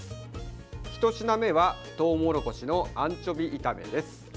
１品目はとうもろこしのアンチョビ炒めです。